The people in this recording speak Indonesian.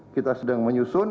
kita sedang menyusun